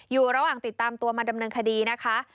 อยู่ระหว่างติดตามตัวมาดำเนินคดีนะคะ